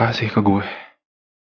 hari ini aku disuruh nyari kita